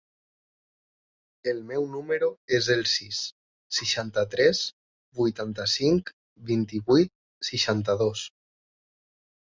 El meu número es el sis, seixanta-tres, vuitanta-cinc, vint-i-vuit, seixanta-dos.